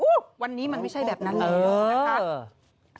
วันนี้มันไม่ใช่แบบนั้นเลยนะคะ